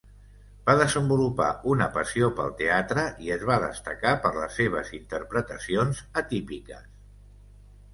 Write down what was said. Va desenvolupar una passió pel teatre i es va destacar per les seves interpretacions atípiques.